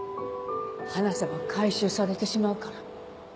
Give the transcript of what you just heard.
話せば回収されてしまうから。